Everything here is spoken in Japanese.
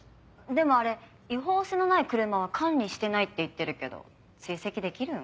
でもあれ違法性のない車は管理してないって言ってるけど追跡できるの？